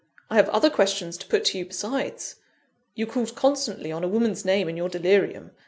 I have other questions to put to you, besides you called constantly on a woman's name in your delirium.